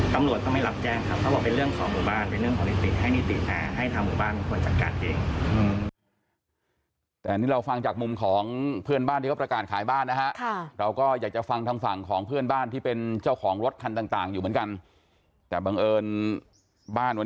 กำลัวเขาไม่รับแจ้งเขาบอกว่าเป็นเรื่องของหมู่บ้าน